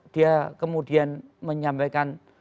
dia kemudian menyampaikan